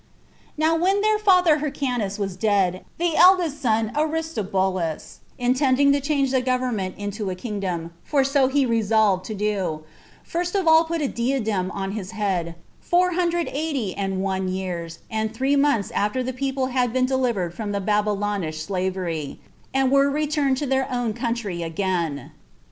1. Now when their father Hyrcanus was dead, the eldest son Aristobulus, intending to change the government into a kingdom, for so he resolved to do, first of all put a diadem on his head, four hundred eighty and one years and three months after the people had been delivered from the Babylonish slavery, and were returned to their own country again.